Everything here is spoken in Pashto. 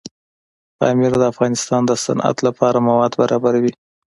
پامیر د افغانستان د صنعت لپاره مواد برابروي.